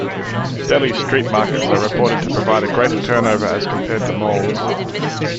Delhi's street markets are reported to provide a greater turnover as compared to malls.